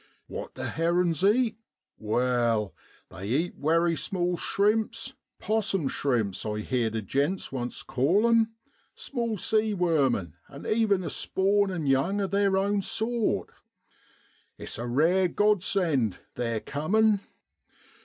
What du herrin's eat? Wai, they eat wery small shrimps 'possum shrimps I heerd a gent once call 'em, small sea wermin, and even the spawn an' young of theer own sort. It's a rare God send theer cumin'.